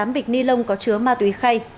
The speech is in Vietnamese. một mươi tám bịch ni lông có chứa ma túy khay